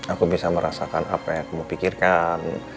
aku bisa merasakan apa yang kamu pikirkan